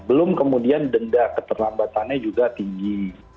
belum kemudian denda keterlambatannya juga tinggi